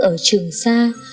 ở trường xa